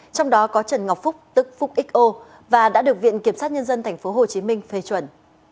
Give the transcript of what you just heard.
trong đó có trần ngọc phúc tức phúc xo và đã được viện kiểm sát nhân dân tp hcm phê chuẩn